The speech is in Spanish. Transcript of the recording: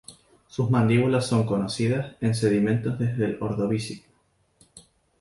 Sus mandíbulas son conocidas en sedimentos desde el Ordovícico.